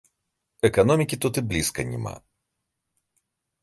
Эканомікі тут і блізка няма.